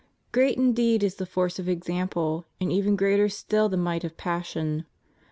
Great indeed is the force of example, and even greater still the might of passion.